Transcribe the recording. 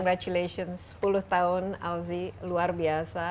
congratulations sepuluh tahun alzi luar biasa